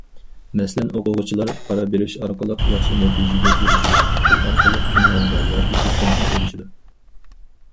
مەسىلەن ئوقۇغۇچىلار پارا بېرىش ئارقىلىق ياخشى نەتىجىگە ئېرىشىدۇ، پۇل ئارقىلىق ئۇنۋانغا ياكى دىپلومغا ئېرىشىدۇ.